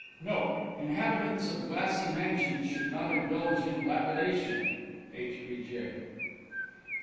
Note. Inhabitants of glassy mansions should not indulge in lapidation. H. B. J.